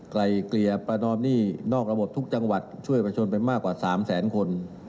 ไกลเกลี่ยประนอมหนี้นอกระบบทุกจังหวัดช่วยประชนไปมากกว่า๓แสนคน